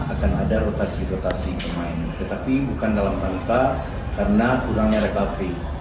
akan ada rotasi rotasi pemain tetapi bukan dalam tanpa karena kurangnya recovery